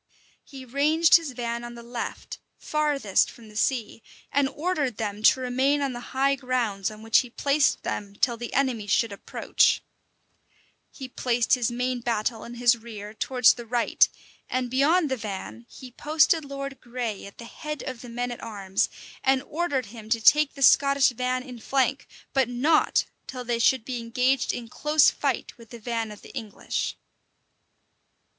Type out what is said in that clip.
He ranged his van on the left, farthest from the sea; and ordered them to remain on the high grounds on which he placed them, till the enemy should approach: he placed his main battle and his rear towards the right; and beyond the van he posted Lord Grey at the head of the men at arms, and ordered him to take the Scottish van in flank, but not till they should be engaged in close fight with the van of the English.